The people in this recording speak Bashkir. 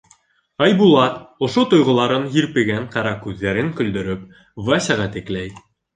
Айбулат, ошо тойғоларын һирпегән ҡара күҙҙәрен көлдөрөп, Васяға текләй.